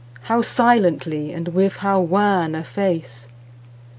How silently, and with how wan a face!